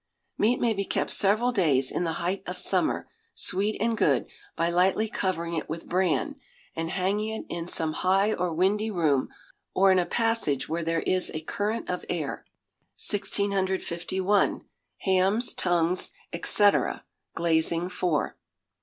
Meat may be kept several days in the height of summer, sweet and good, by lightly covering it with bran, and hanging it in some high or windy room, or in a passage where there is a current of air. 1651. Hams, Tongues, &c., Glazing for.